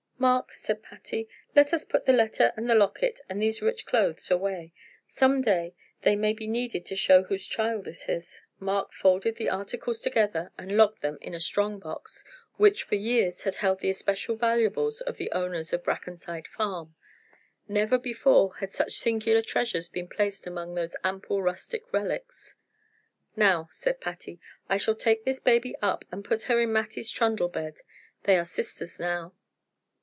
"Mark," said Patty, "let us put the letter and the locket and these rich clothes away. Some day they may be needed to show whose child this is." Mark folded the articles together and locked them in a strong box, which for years had held the especial valuables of the owners of Brackenside Farm. Never before had such singular treasures been placed among those simple rustic relics. "Now," said Patty. "I shall take this baby up and put her in Mattie's trundle bed; they are sisters now."